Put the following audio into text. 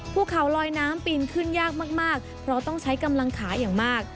ภูเขาลอยน้ำปีนขึ้นยากมากเพราะต้องใช้กำลังขาอย่างมาก